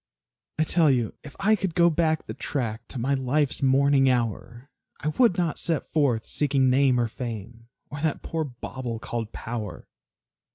I tell you, if I could go back the track To my life's morning hour, I would not set forth seeking name or fame, Or that poor bauble called power.